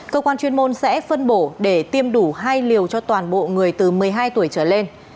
cơ quan chuyên môn sẽ phân bổ để tiêm đủ hai liều cho toàn bộ người từ một mươi hai tuổi trở lên